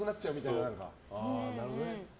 なるほどね。